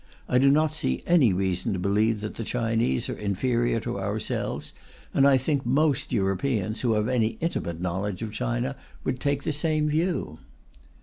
I do not see any reason to believe that the Chinese are inferior to ourselves; and I think most Europeans, who have any intimate knowledge of China, would take the same view.